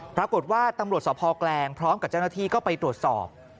ปรากฏว่าตำรวจสภแกลงพร้อมกับเจ้าหน้าที่ก็ไปตรวจสอบ